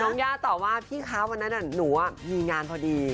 ย่าตอบว่าพี่คะวันนั้นหนูมีงานพอดี